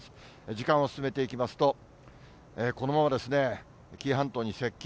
時間を進めていきますと、このまま紀伊半島に接近。